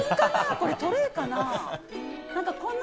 これトレーかな。